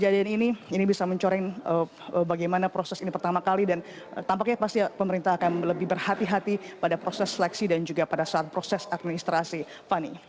dan ini bisa mencoreng bagaimana proses ini pertama kali dan tampaknya pasti pemerintah akan lebih berhati hati pada proses seleksi dan juga pada saat proses administrasi fani